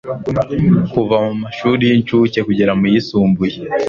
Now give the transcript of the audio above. kuva mu mashuri y'incuke kugera mu yisumbuye,